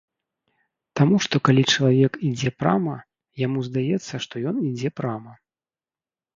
Таму што калі чалавек ідзе прама, яму здаецца, што ён ідзе прама.